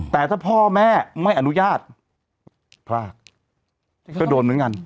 แต่ถ้าพ่อแม่ไม่อนุญาตพลากก็โดนเหมือนกัน